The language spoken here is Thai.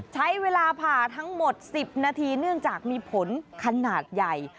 ใช้เวลาผ่าทั้งหมด๑๐นาทีเนื่องจากมีผลขนาดใหญ่